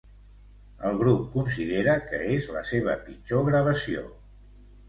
El grup considera que és la seva pitjor gravació.